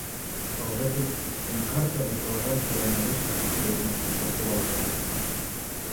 Aurretik, Enkarterriko arrantzaleen herrixka txikia izan zen Portugalete.